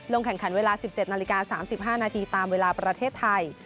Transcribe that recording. แข่งขันเวลา๑๗นาฬิกา๓๕นาทีตามเวลาประเทศไทย